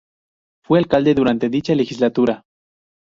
Fue alcalde durante dicha legislatura.